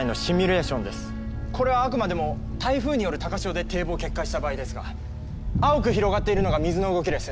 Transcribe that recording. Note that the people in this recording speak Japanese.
これはあくまでも台風による高潮で堤防決壊した場合ですが青く広がっているのが水の動きです。